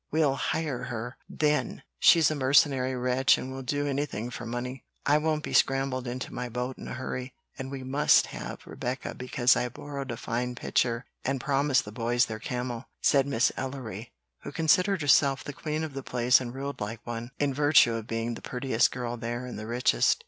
"We'll HIRE her, then; she's a mercenary wretch and will do anything for money. I won't be scrambled into my boat in a hurry, and we MUST have Rebecca because I've borrowed a fine pitcher and promised the boys their camel," said Miss Ellery, who considered herself the queen of the place and ruled like one, in virtue of being the prettiest girl there and the richest.